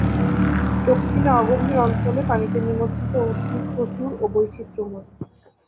দক্ষিণে অগভীর অঞ্চলে পানিতে নিমজ্জিত উদ্ভিদ প্রচুর ও বৈচিত্র্যময়।